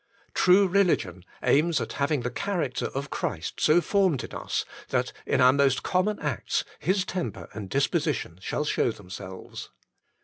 True religion aims at having the char acter of Christ so formed in us, that in our most common acts His temper and disposition shall shew themselves.